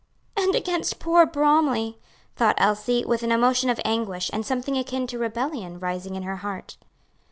"And against poor Bromly," thought Elsie, with an emotion of anguish, and something akin to rebellion rising in her heart.